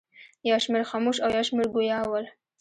یو شمېر خموش او یو شمېر ګویا ول.